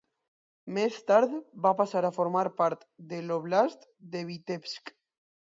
Més tard va passar a formar part de l'oblast de Vitebsk.